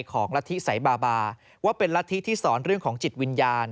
ของละทิสัยบาบาว่าเป็นละทิที่สอนเรื่องของจิตวิญญาณ